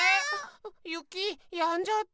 ゆきやんじゃった。